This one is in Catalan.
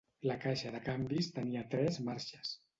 La caixa de canvis tenia tres marxes.